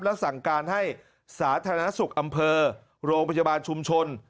และสั่งการให้สาธารณสุขอำเภอโรงพยาบาลชุมชน